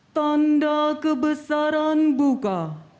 tanda kebesaran buka